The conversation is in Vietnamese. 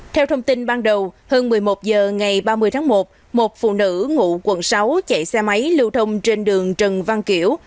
theo thông tin ban đầu hơn một mươi một h ngày ba mươi tháng một một phụ nữ ngụ quận sáu chạy xe máy lưu thông trên đường trần văn kiểu